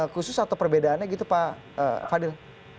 khusus atau perbedaannya gitu pak fadil